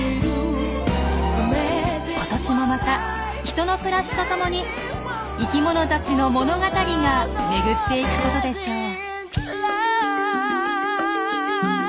今年もまた人の暮らしとともに生きものたちの物語がめぐっていくことでしょう。